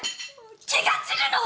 気が散るの！